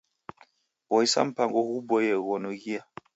Boisa mpango ghuboie ghonughia.